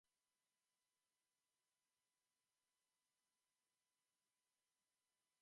Bikote harreman gehienetan izaten dira arazoak.